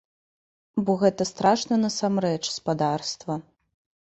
Бо гэта страшна насамрэч, спадарства.